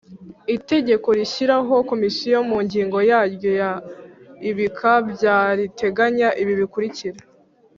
Itegeko rishyiraho Komisiyo mu ngingo yaryo ya ibika bya riteganya ibi bikurikira